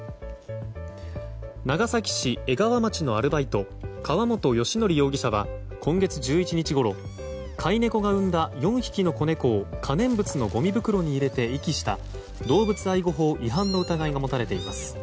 長崎市江川町のアルバイト川本良徳容疑者は今月１１日ごろ飼い猫が産んだ４匹の子猫を可燃物のごみ袋に入れて遺棄した動物愛護法違反の疑いが持たれています。